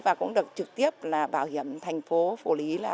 và cũng được trực tiếp bảo hiểm thành phố phổ lý